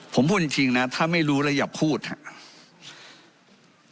ผมพูดจริงนะถ้าไม่รู้แล้วอย่าพูดครับ